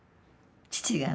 父がね